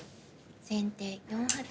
先手４八銀。